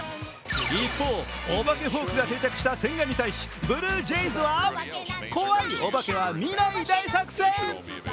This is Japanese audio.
一方、お化けフォークが定着した千賀に対しブルージェイズは怖いお化けは見ない大作戦。